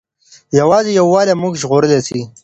یوازې یووالی موږ ژغورلی سي.